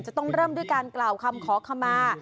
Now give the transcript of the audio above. จะต้องเริ่มด้วยการกล่าวคำขอขมา